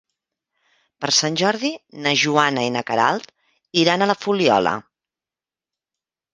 Per Sant Jordi na Joana i na Queralt iran a la Fuliola.